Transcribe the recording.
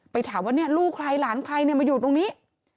ไปถามว่าเนี่ยลูกใครหลานใครมาอยู่ตรงนี้